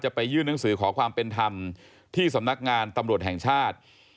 ไปยื่นหนังสือขอความเป็นธรรมที่สำนักงานตำรวจแห่งชาติ